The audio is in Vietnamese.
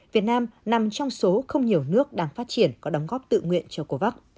việt nam nằm trong số không nhiều nước đang phát triển có đóng góp tự nguyện cho covax